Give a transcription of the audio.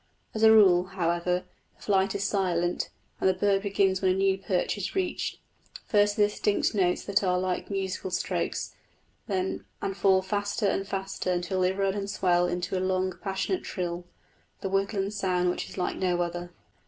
As a rule, however, the flight is silent, and the song begins when the new perch is reached first the distinct notes that are like musical strokes, and fall faster and faster until they run and swell into a long passionate trill the woodland sound which is like no other.